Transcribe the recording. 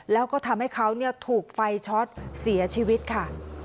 แล้วก็ทำให้เขาถูกไฟช็อตเสียชีวิตค่ะ